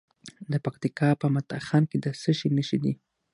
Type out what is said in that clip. د پکتیکا په متا خان کې د څه شي نښې دي؟